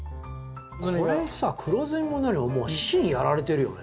これさ黒ずみも何ももう芯やられてるよね？